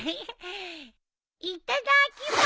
いただきま。